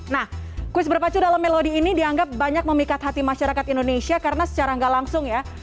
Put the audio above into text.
nah kuis berpacu dalam melodi ini dianggap banyak memikat hati masyarakat indonesia karena secara nggak langsung ya